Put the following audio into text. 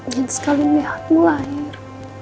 saya ingin sekali lagi melihatmu lahir